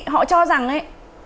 họ cho rằng ấy